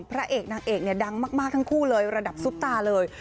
พระเอกนางเอกเนี่ยดังมากทั้งคู่เลยระดับซุปตาเลย